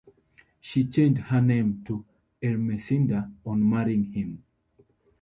She changed her name to Ermesinda on marrying him.